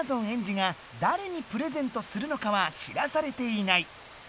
エンジがだれにプレゼントするのかは知らされていない。